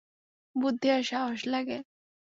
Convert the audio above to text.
বুদ্ধি আর সাহস লাগে।